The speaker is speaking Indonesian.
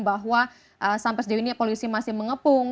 bahwa sampai sejauh ini polisi masih mengepung